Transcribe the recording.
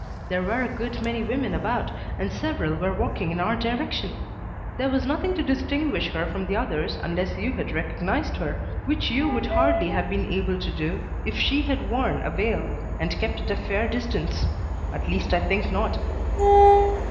There were a good many women about and several were walking in our direction. There was nothing to distinguish her from the others unless you had recognized her, which you would hardly have been able to do if she had worn a veil and kept at a fair distance. At least I think not."